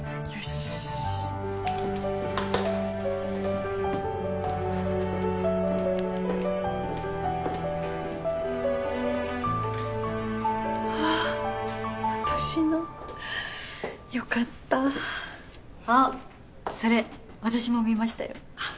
しっあっ私のよかったあっそれ私も見ましたよ